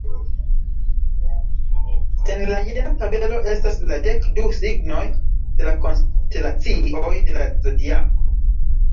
En la jena tabelo estas la dekdu signoj de la konstelacioj de la zodiako.